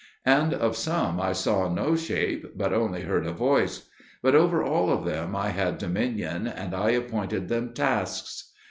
And of some I saw no shape, but only heard a voice. But over all of them I had dominion, and I appointed them tasks.